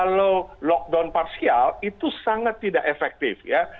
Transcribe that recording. kalau lockdown parsial itu sangat tidak efektif ya